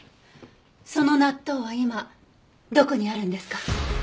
その納豆は今どこにあるんですか？